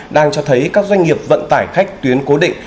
đang cho thấy các doanh nghiệp vận tải khách tuyến cố định